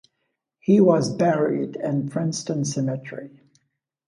He was buried in Princeton Cemetery.